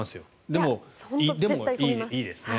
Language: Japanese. でもいいですね。